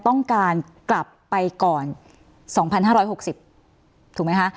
ต้องการกลับไปก่อน๒๕๖๐ถูกไหมคะ